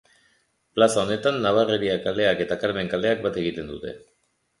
Plaza honetan Nabarreria kaleak eta Karmen kaleak bat egiten dute.